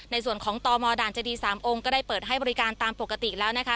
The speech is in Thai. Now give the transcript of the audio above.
ในส่วนของตมด่านเจดี๓องค์ก็ได้เปิดให้บริการตามปกติแล้วนะคะ